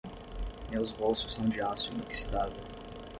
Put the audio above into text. Meus bolsos são de aço inoxidável.